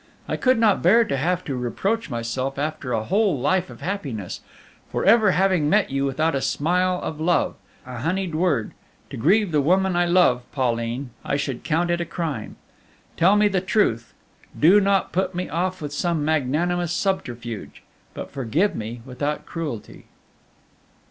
I could not bear to have to reproach myself after a whole life of happiness, for ever having met you without a smile of love, a honeyed word. To grieve the woman I love Pauline, I should count it a crime. Tell me the truth, do not put me off with some magnanimous subterfuge, but forgive me without cruelty."